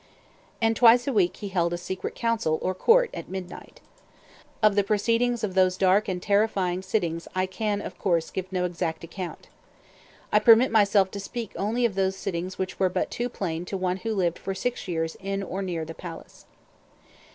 And twice a week he held a secret council, or court, at midnight. Of the proceedings of those dark and terrifying sittings I can, of course, give no exact account. I permit myself to speak only of those things which were but too plain to one who lived for six years in or near the palace.